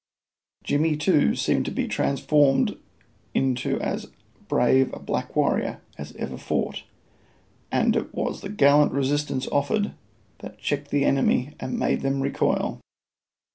Jimmy, too, seemed to be transformed into as brave a black warrior as ever fought; and it was the gallant resistance offered that checked the enemy and made them recoil.